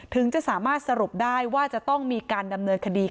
ถึงจะสามารถสรุปได้ว่าจะต้องมีการดำเนินคดี